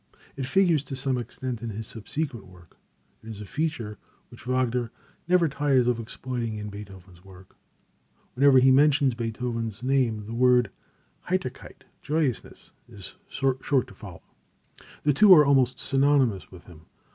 It figures to some extent in his subsequent work. It is a feature which Wagner never tires of exploiting in Beethoven's work. Whenever he mentions Beethoven's name the word Heiterkeit (joyousness) is sure to follow. The two are almost synonymous with him.